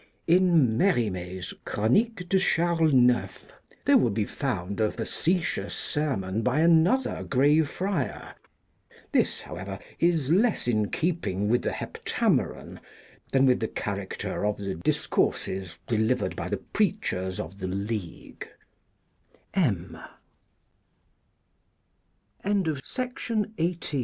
In Merimee's Chronique de Charles IX., there will be found a facetious sermon by another Grey Friar ; this, however, is less in keeping with the Heptameron, than with the character of the discourses delivered by the preachers of the Le